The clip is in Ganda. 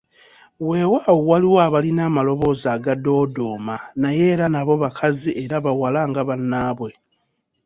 Weewaawo waliwo abalina amaloboozi agadoodooma naye era nabo bakazi era bawala nga bannaabwe.